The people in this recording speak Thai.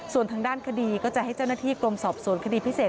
ส่วนทางด้านคดีก็จะให้เจ้าหน้าที่กรมสอบสวนคดีพิเศษ